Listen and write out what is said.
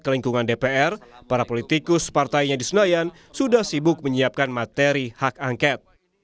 ke lingkungan dpr para politikus partainya di senayan sudah sibuk menyiapkan materi hak angket